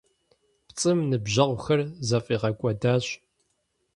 ПцӀым ныбжьэгъухэр зэфӀигъэкӀуэдащ.